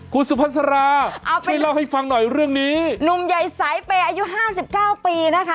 คุณสุภาษาราเอาไปเล่าให้ฟังหน่อยเรื่องนี้หนุ่มใหญ่สายเปย์อายุห้าสิบเก้าปีนะคะ